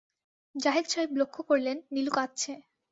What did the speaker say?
জাহিদ সাহেব লক্ষ্য করলেন, নীলু কাঁদছে।